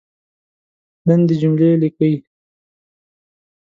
لندي جملې لیکئ !